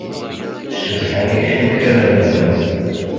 Cebḥen yicenfiren-nnem.